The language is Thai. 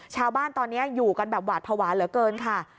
ชาวบ้านตอนนี้อยู่กันแบบหวาดภาวะเหลือเกินค่ะ